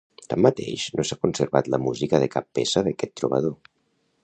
Tanmateix no s'ha conservat la música de cap peça d'aquest trobador.